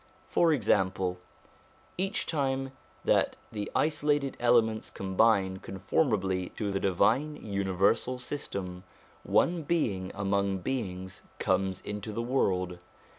For example, each time that the isolated elements combine conformably to the divine universal system, one being among beings comes into the world.